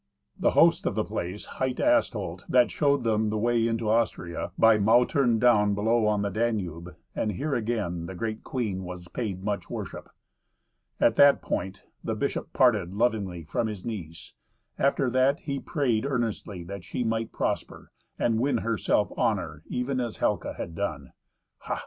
The host of the place hight Astolt, that showed them the way into Austria, by Mautern down below on the Danube; and here, again, the great queen was paid much worship. At that point the bishop parted lovingly from his niece, after that he had prayed earnestly that she might prosper, and win herself honour even as Helca had done. Ha!